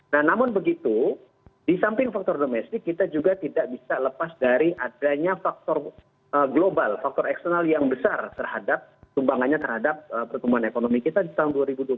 nah namun begitu di samping faktor domestik kita juga tidak bisa lepas dari adanya faktor global faktor eksternal yang besar terhadap sumbangannya terhadap pertumbuhan ekonomi kita di tahun dua ribu dua puluh satu